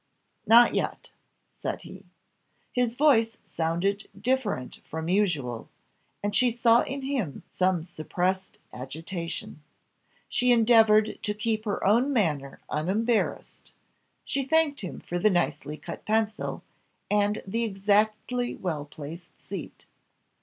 "Not yet," said he. His voice sounded different from usual, and she saw in him some suppressed agitation. She endeavoured to keep her own manner unembarrassed she thanked him for the nicely cut pencil, and the exactly well placed seat.